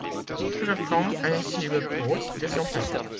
Il reprend ainsi le poste de son père.